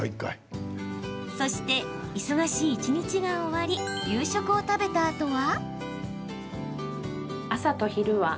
そして、忙しい一日が終わり夕食を食べたあとは？